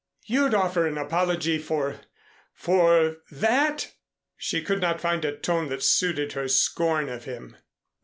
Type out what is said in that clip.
"You'd offer an apology for for that!" She could not find a tone that suited her scorn of him.